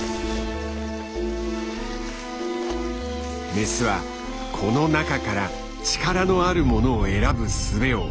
メスはこの中から力のあるものを選ぶ術を知っている。